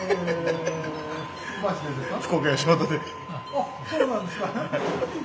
あっそうなんですか！